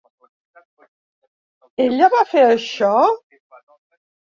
Ella va fer això?